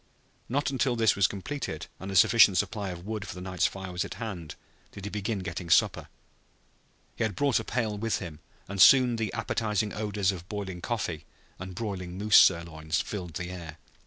Not until this was completed and a sufficient supply of wood for the night's fire was at hand did he begin getting supper. He had brought a pail with him and soon the appetizing odors of boiling coffee and broiling moose sirloin filled the air.